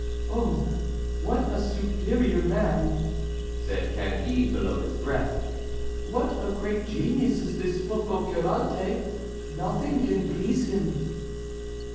"Oh! what a superior man," said Candide below his breath. "What a great genius is this Pococurante! Nothing can please him."